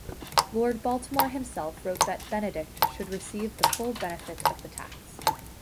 Lord Baltimore himself wrote that Benedict should receive the full benefit of the tax.